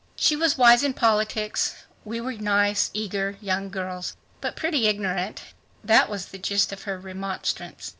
She was wise in politics; we were nice, eager, young girls, but pretty ignorant—that was the gist of her remonstrance.